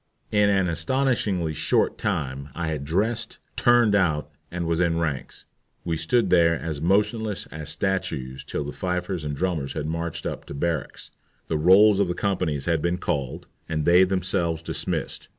In an astonishingly short time I had dressed, "turned out," and was in ranks. We stood there as motionless as statues till the fifers and drummers had marched up to barracks, the rolls of the companies had been called, and they themselves dismissed.